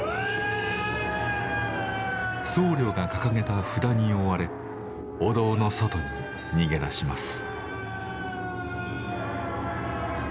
僧侶が掲げた札に追われお堂の外に逃げ出します。